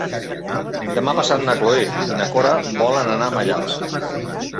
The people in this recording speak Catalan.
Demà passat na Cloè i na Cora volen anar a Maials.